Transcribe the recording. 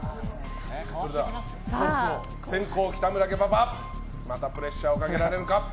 それでは先攻、北村家パパまたプレッシャーをかけられるか。